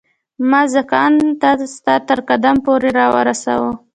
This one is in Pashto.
ما زکندن ستا تر قدم پوري را ورساوه